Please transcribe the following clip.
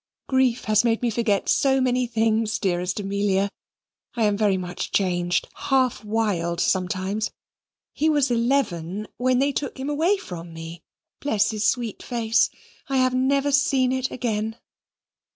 "Grief has made me forget so many things, dearest Amelia. I am very much changed: half wild sometimes. He was eleven when they took him away from me. Bless his sweet face; I have never seen it again."